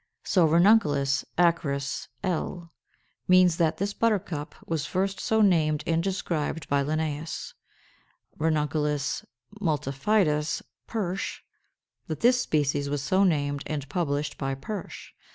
So "Ranunculus acris, L.," means that this Buttercup was first so named and described by Linnæus; "R. multifidus, Pursh," that this species was so named and published by Pursh.